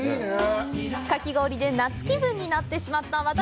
かき氷で夏気分になってしまった私。